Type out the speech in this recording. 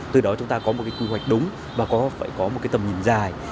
từ đó chúng ta có một quy hoạch đúng và phải có một tầm nhìn dài